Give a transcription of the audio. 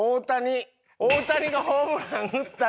大谷がホームラン打った時のベンチ。